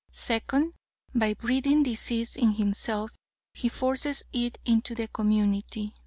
Second, by breeding disease in himself, he forces it into the community.